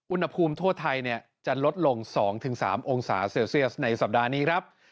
อุณหภูมิทั่วไทยจะลดลง๒๓องศาเซลเซียสในสัปดาห์นี้ครับ